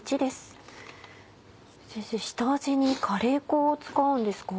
先生下味にカレー粉を使うんですか？